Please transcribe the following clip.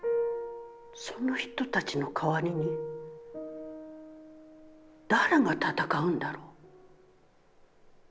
その人たちの代りに誰が戦うんだろう？